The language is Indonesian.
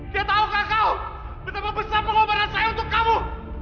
tidak tahukah kau betapa besar pengobatan saya untuk kamu